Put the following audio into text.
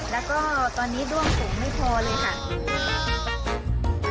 แล้วก็ตอนนี้ด้วงสูงไม่พอเลยค่ะ